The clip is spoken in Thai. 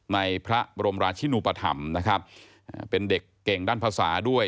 ในพระบรมราชินูปธรรมนะครับเป็นเด็กเก่งด้านภาษาด้วย